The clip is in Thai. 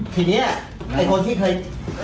ทีนี้ไอ้คนที่เคย